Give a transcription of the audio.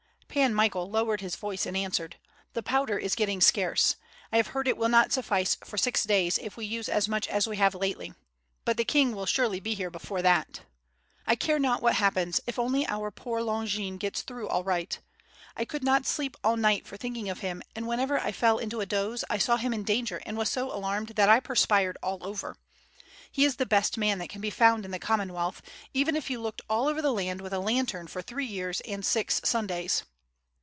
Pan Michael lowered his voice and answered: "The powder is getting scarce. I have heard it will not suffice for six days if we use as much as we have lately. But the king will surely be here before that." "I care not what happens, if only our poor Longin gets through all right. I could not sleep all night for thinking of him; and whenever I fell into a doze I saw him in danger and was so alarmed that I perspired all over. He is the best man that can be found in the Commonwealth, even if you looked all over the land with a lantern for three years and six Sun days."